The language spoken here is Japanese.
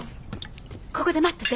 ここで待ってて。